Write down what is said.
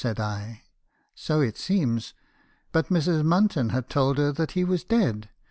' said I. "' So it seems. But Mrs. Munton had told her that he was dead.